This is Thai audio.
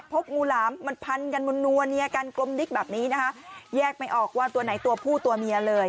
พบงูหลามมันพันกันมัวเนียกันกลมดิ๊กแบบนี้นะคะแยกไม่ออกว่าตัวไหนตัวผู้ตัวเมียเลย